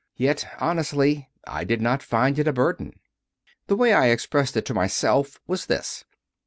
Yet, honestly, I did not find it a burden. The way I expressed it to myself was this.